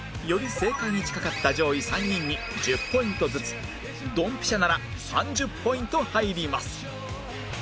正解に近かった上位３人に１０ポイントずつドンピシャなら３０ポイント入ります